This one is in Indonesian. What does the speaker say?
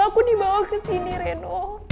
aku dibawa kesini reno